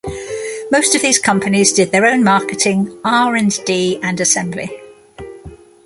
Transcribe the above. Most of these companies did their own marketing, R and D and assembly.